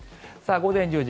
午前１０時